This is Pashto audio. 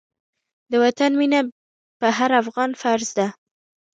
د وطن مينه په هر افغان فرض ده.